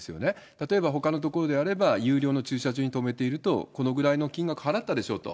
例えばほかの所であれば、有料の駐車場に止めているとこのぐらいの金額払ったでしょうと。